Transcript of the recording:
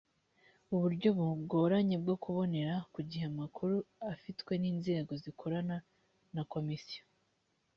uburyo bugoranye bwo kubonera ku gihe amakuru afitwe n inzego zikorana na komisiyo